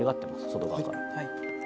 外側から。